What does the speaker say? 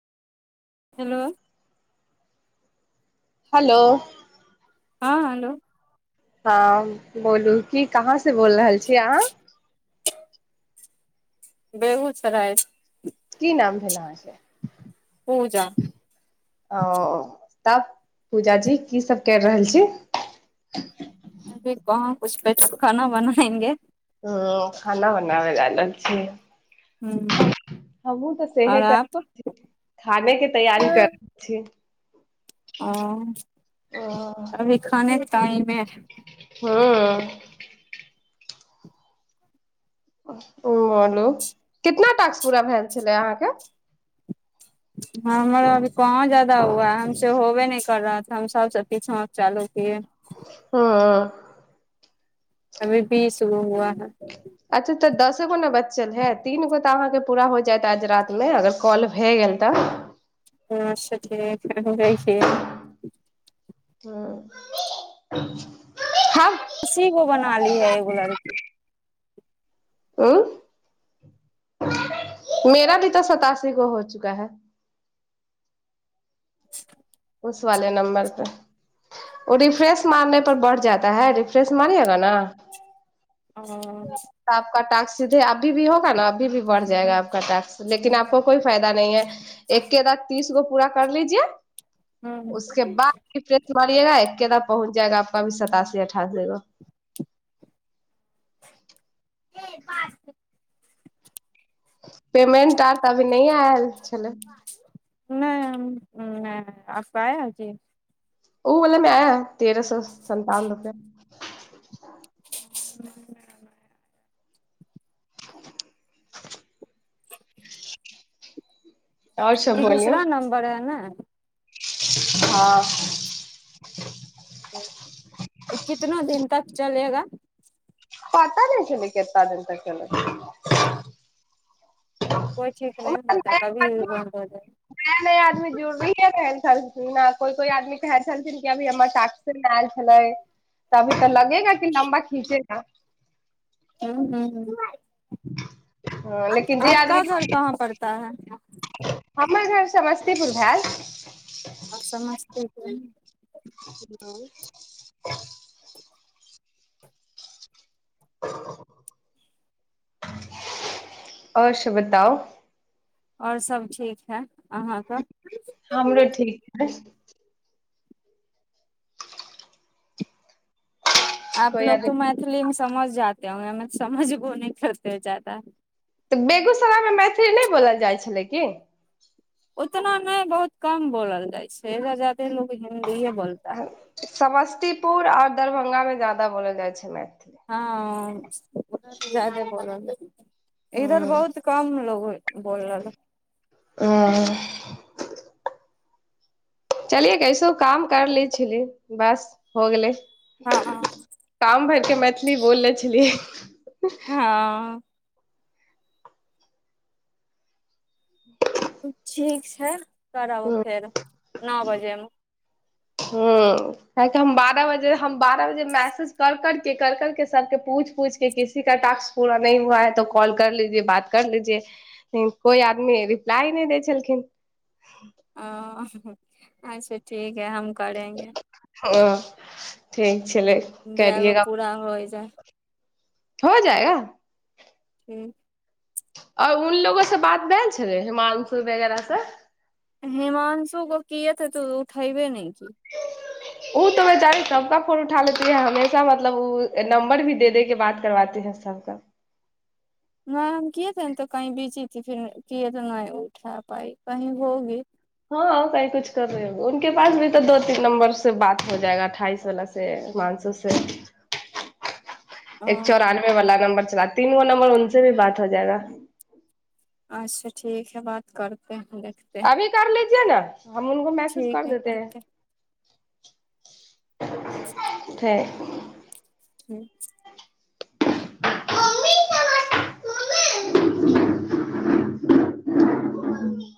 hello hello हँ hello हँ बोलू कि कहाँ से से बोल रहल छी अहाँ बेगुसराय की नाम भेलेल अहाँ पूजा कें ओ तब पूजा जी की सब कए रहल छी कछ पेट खाना बनाएंगे ह खाना बनाबै लाल छिय हम्म हमहुँ तऽ और सेहे कर आप छी खाने के तैयारी करै छी ओ अभी खाने टाइम है हुँ ओ बोलू कितना टास्क पूरा भेलए छलै अहाँके हमर अभी कहाँ जदा हुआ हम से होबे नहि कर रह हम सबसँ पीछो चालू किए हुँ अभी बीस गो हुआ अच्छा तऽ दसो गो ने बचल है तीन गो तऽ अहाँके पूरा हो जायत आज रातमे अगर कॉल भए गेल तऽ अच्छा ठीक क देखिय ह असीगो को बना ली है एगो लड़की ह मेरा भी तऽ सतासी गो हो चुका है [inaudible] उस वाले नंबर परे ओ रिफ्रेश मारने पर बढ़ जाता है रिफ्रेश मारियएगा न हुँ सीधे अभी भ होगा ने अभी भी बढ़ जाएगा आपक टाक्स लेकिन आपको कोइ फायदा नहि है एक एकरात तीस गो पूरा कर लीजए उसके बाद पड़ियएगा एकेबार पहुँच जाएगा आपक अभी सताासी अठासीगो हे बात पेमेंट आर तऽ अभी न आयल हेलो नहि आयज आपका आया है जी उ वलामे आया है तेरह सए सन्तावन रुपए [inaudible] नहि नहि और सब इ बोलियौ दूसरा नम्बर है ने हँ ये कितना दिन तक चलेगा पता द चलू केतना दिन तक चल कोइ ठीक नहि रहता कभी बन्द हो जा ख कोइ कोइ आदमी कहे छलथिन कि अभी हमर साकस मे आयल छलै तभी तऽ लगेगा की लम्बा खीचेगा आ ह ह ह लेकिन जे घर आदमी कहाँ पड़ता है हमर घर समस्तीपुर भेल आओ समस्तीपुर [inaudible] आओर सब बताऊ आओर सब ठीक है अहाँ के हमरो ठीक छै कोइ आपलोग आदमी तो मैथिली मे समझ जाते कैमरा मेन समझबो न करते जाता तऽ बेगूसरायमे मैथिली नहि बोलल जाइ छलै की उतना नहि बहुत कम बोलल जाइ छै ल हिन्दी ह बोलता पुर आर दरभंगा मे ज्यादा बोलल जाइ छै हँ जादे बल इधर ह बहुत कम लो बोल रहल चलिये चलि कैसो काम कर ली छली बस हो गेले हँ काम भेल के मैथिली बोलनेे छलियै हँ ठीक छै करब फेर नओ बजेमे ह्म काहि हम बारह बजे हम बारह बजे मैसेज कर करके कर करके सभके पूछि पूछिके किसी का ट्क पूरा नहि हुआ है तऽ कॉल कर लीजिये बात कर लीजिये लिन कोइ आदमी रिप्लाइ नहि दै छलखिन आ अच्छा ठीक है हम करेंगे ओ ठीक छलै जगो करियएगा पूरा होइ जा हो जाएगा ठीक आओर उलोगो से बात भए छलै हिमानंशु वगैरह से हेमांशु क किए तऽ तू उठैब ने ओ तऽ बेचारे सबका फोन उठा लेती हैं हमेशा मतलब ओ नं्ब र भी दे दे के बात करबाते है सबका न हम किएथे ने तो कही बीजी थी फिर किए तऽ नहि उठा पाइ कही होगी हँ की कुछ कर रहे हो उके पास भी तऽ दो तीन नंबर से बात हो जाएगा अठाइस वला से मानसो से अ एक चौरानबे वालला नंबर तीन गो नंबर उनसे भी बात हो जाएगा अच्छा ठीक है बात करते हैं देखते हैं अभी कर लीजिए न हम उनको मैसेज ठीक कर देतेै है करते [unintelligible] हुँ